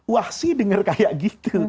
wahsy denger kaya gitu